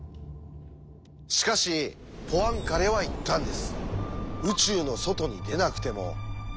しかしポアンカレは言ったんです。